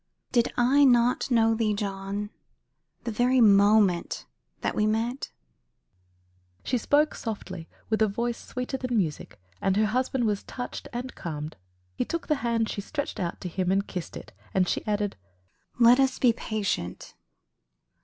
Did I not know thee, John, the very moment that we met?" She spoke softly, with a voice sweeter than music, and her husband was touched and calmed. He took the hand she stretched out to him and kissed it, and she added "Let us be patient.